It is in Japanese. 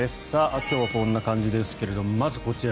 今日はこんな感じですけどもまずはこちら。